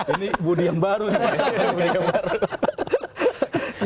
ini budi yang baru nih